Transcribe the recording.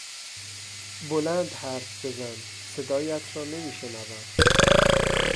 بلند حرف بزن، صدایت را نمیشنوم!